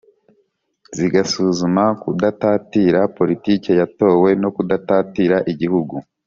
zigasuzuma kudatatira politike yatowe no kudatatira i gihugu.